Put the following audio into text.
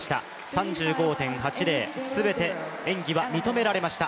３５．８０、全て演技は認められました。